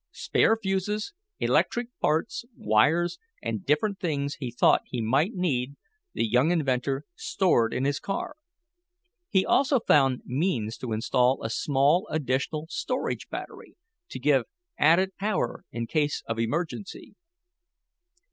Spare fuses, extra parts, wires and different things he thought he might need, the young inventor stored in his car. He also found means to install a small additional storage battery, to give added power in case of emergency.